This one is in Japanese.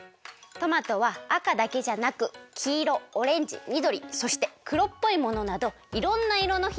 トマトはあかだけじゃなくきいろオレンジみどりそしてくろっぽいものなどいろんないろの